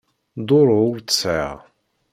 Duṛu ur tt-sεiɣ.